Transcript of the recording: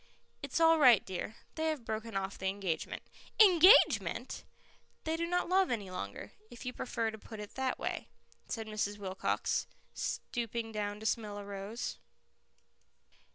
"It's all right, dear. They have broken off the engagement." "Engagement !" "They do not love any longer, if you prefer it put that way," said Mrs. Wilcox, stooping down to smell a rose.